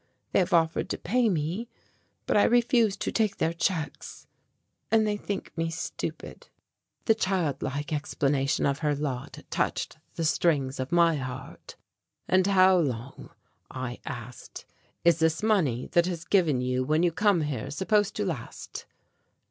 They have offered to pay me, but I refused to take their checks, and they think me stupid." The child like explanation of her lot touched the strings of my heart. "And how long," I asked, "is this money that is given you when you come here supposed to last?"